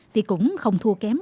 thì cũng không thua kém